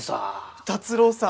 辰郎さん。